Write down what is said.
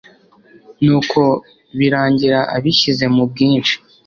nuko birangira abishyize mu bwinshi